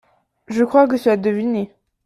Je crois que tu as deviné.